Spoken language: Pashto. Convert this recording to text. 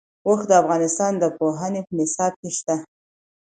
اوښ د افغانستان د پوهنې په نصاب کې شته.